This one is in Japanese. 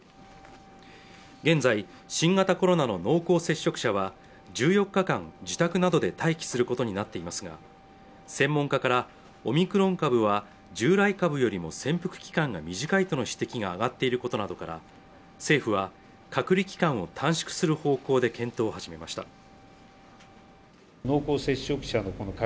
現在新型コロナの濃厚接触者は１４日間自宅などで待機することになっていますが専門家からオミクロン株は従来株よりも潜伏期間が短いとの指摘が上がっていることなどから政府は隔離期間を短縮する方向で検討を始めました